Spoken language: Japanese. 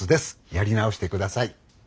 やり直して下さい。